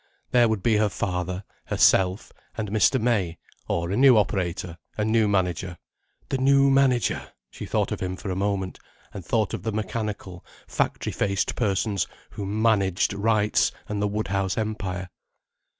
There would be her father, herself, and Mr. May—or a new operator, a new manager. The new manager!—she thought of him for a moment—and thought of the mechanical factory faced persons who managed Wright's and the Woodhouse Empire.